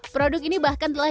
produk ini bahkan telah